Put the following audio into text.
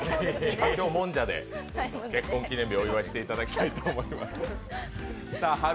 今日、もんじゃで結婚記念日をお祝いしていただきたいと思います。